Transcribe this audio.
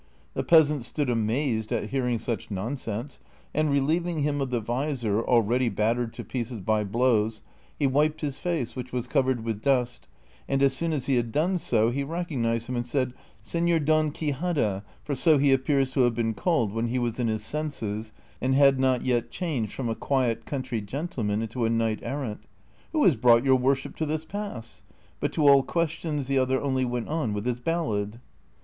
The peasant stood amazed at hearing such nonsense, and relieving him of the visor, already battered to pieces by blows, he wiped his face, which was covered with dust, and as soon as he had done so he recognized him and said, " Seiior Don Quixada " (for so he appears to have been called when he was in his senses and had not yet changed from a quiet country gentleman into a knight errant), " who has brought yoiir wor ship to this pass ?" But to all questions the other only went on with his ballad.